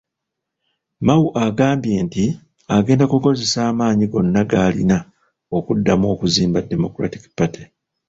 Mao agambye nti agenda kukozesa amaanyi gonna g'alina okuddamu okuzimba Democratic Party.